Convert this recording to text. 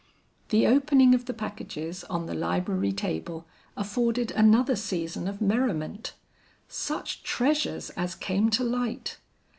The opening of the packages on the library table afforded another season of merriment. Such treasures as came to light!